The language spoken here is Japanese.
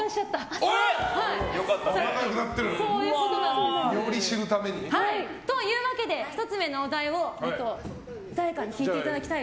仲良くなってる！というわけで１つ目のお題を誰かに引いていただきたい。